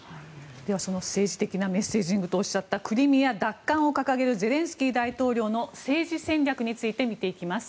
では、その政治的なメッセージングとおっしゃったクリミア奪還を掲げるゼレンスキー大統領の政治戦略について見ていきます。